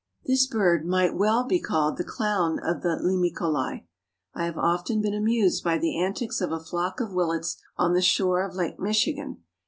This bird might well be called the clown of the Limicolae. I have often been amused by the antics of a flock of Willets on the shore of Lake Michigan.